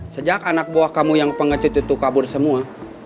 sejak anak buah kamu yang pengecut itu kabur semua